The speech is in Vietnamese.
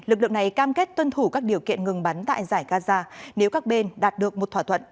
lực lượng này cam kết tuân thủ các điều kiện ngừng bắn tại giải gaza nếu các bên đạt được một thỏa thuận